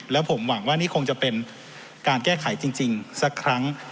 แล้วผมหวังว่านี่คงจะเป็นการแก้ไขจริงสักครั้ง